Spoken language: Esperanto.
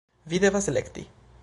Vi devas elekti!